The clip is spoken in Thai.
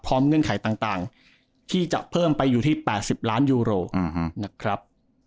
เงื่อนไขต่างที่จะเพิ่มไปอยู่ที่๘๐ล้านยูโรนะครับ